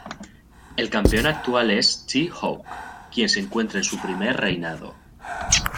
El campeón actual es T-Hawk, quien se encuentra en su primer reinado.